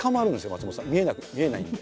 松本さん見えない見えないんで。